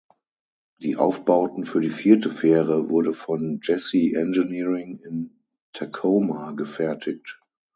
Die Aufbauten für die vierte Fähre wurde von Jesse Engineering in Tacoma gefertigt.